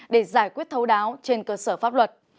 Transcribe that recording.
để giải quyết thấu đáo trên cơ sở pháp luật